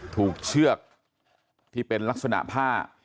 เชือกที่เป็นลักษณะผ้า